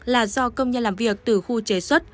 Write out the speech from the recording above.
là do công nhân làm việc từ khu chế xuất